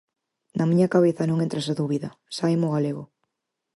Na miña cabeza non entra esa dúbida, sáeme o galego.